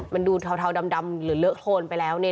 มันดูเทาดำหรือเลอะโครนไปแล้ว